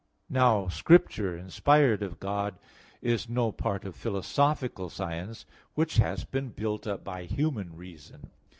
Now Scripture, inspired of God, is no part of philosophical science, which has been built up by human reason.